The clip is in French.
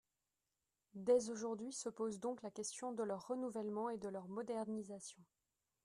Dès aujourd’hui se pose donc la question de leur renouvellement et de leur modernisation.